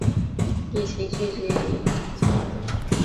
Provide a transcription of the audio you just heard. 一起聚集与交流